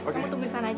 kamu tunggu di sana aja